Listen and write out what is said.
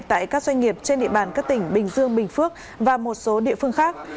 tại các doanh nghiệp trên địa bàn các tỉnh bình dương bình phước và một số địa phương khác